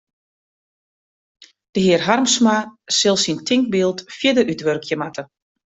De hear Harmsma sil syn tinkbyld fierder útwurkje moatte.